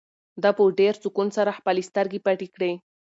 ده په ډېر سکون سره خپلې سترګې پټې کړې.